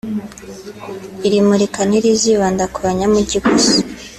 Iri murika ntirizibanda ku banyamujyi gusa